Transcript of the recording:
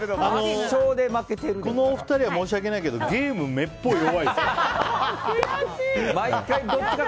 このお二人には申し訳ないですけどゲーム、めっぽう弱いですから。